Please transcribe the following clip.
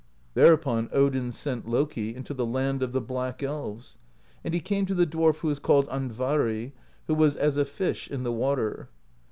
There upon Odin sent Loki into the Land of the Black Elves, and he came to the dwarf who is called Andvari, who was as a fish in the water.